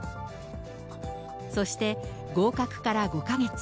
そして、合格から５か月。